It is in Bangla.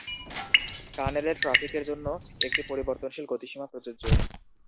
টানেলের ট্রাফিকের জন্য একটি পরিবর্তনশীল গতিসীমা প্রযোজ্য।